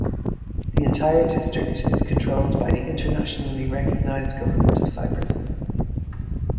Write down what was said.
The entire district is controlled by the internationally recognized government of Cyprus.